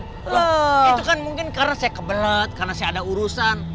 loh itu kan mungkin karena saya kebelet karena saya ada urusan